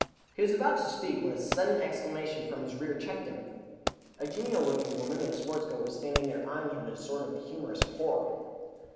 He was about to speak, when a sudden exclamation from his rear checked him. A genial looking woman in a sports coat was standing there, eyeing him with a sort of humorous horror.